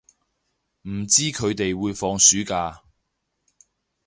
唔知佢哋會放暑假